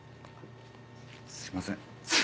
すいません。